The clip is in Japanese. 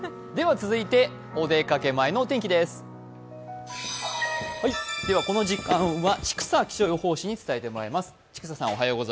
続いてお出かけ前のお天気です。